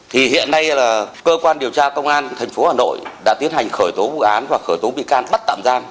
thì hiện nay là cơ quan điều tra công an thành phố hà nội đã tiến hành khởi tố vụ án và khởi tố bị can bắt tạm giam